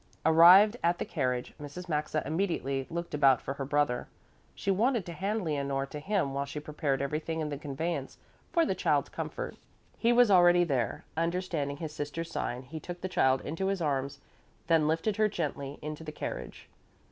Arrived at the carriage, Mrs. Maxa immediately looked about for her brother. She wanted to hand Leonore to him while she prepared everything in the conveyance for the child's comfort. He was already there. Understanding his sister's sign, he took the child into his arms, then lifted her gently into the carriage.